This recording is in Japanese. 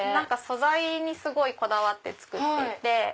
素材にすごいこだわって作っていて。